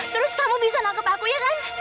terus kamu bisa nakal